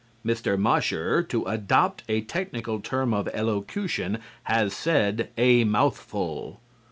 Mr. Mosher, to adopt a technical term of elocution, has said a mouthful.